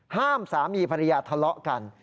ห้ามสามีภรรยาทะเลาะกัน